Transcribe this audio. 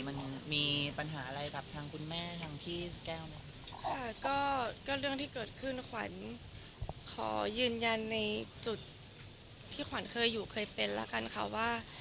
มันมีปัญหาอะไรกับทางคุณแม่ทางที่แก้ว